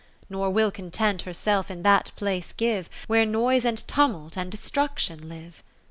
Nor will Content herself in that place give, Where Noise and Tumult and Destruction live.